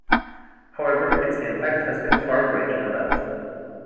However its impact has been far greater than that.